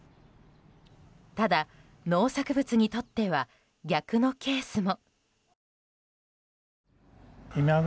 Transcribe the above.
ただ農作物にとっては逆のケースも。